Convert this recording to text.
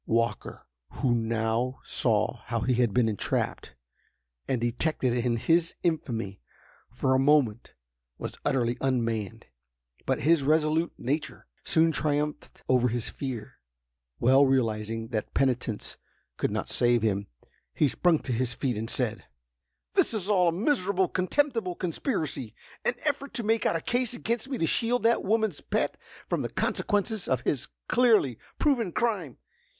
Walker, who now saw how he had been entrapped, and detected in his infamy, for a moment was utterly unmanned. But, his resolute nature soon triumphed over his fear. Well realizing that penitence could not save him, he sprung to his feet and said: "This is all a miserable, contemptible conspiracy—an effort to make out a case against me to shield that woman's pet from the consequences of his clearly proven crime.